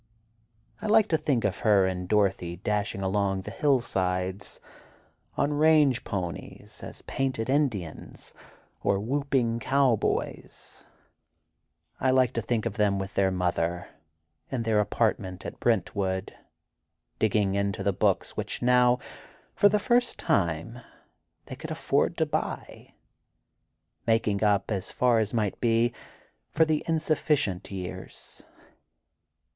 I like to think of her and Dorothy dashing along the hillsides, on range ponies, as painted Indians, or whooping cowboys; I like to think of them with their mother, in their apartment at the Brentwood, digging into the books which now for the first time they could afford to buy—making up, as far as might be, for the insufficient years.